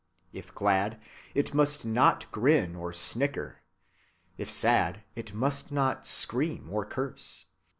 If glad, it must not grin or snicker; if sad, it must not scream or curse.